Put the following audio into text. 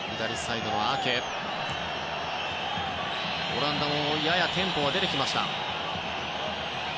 オランダもややテンポが出てきました。